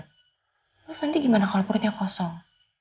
terus nanti gimana kalau perutnya kosong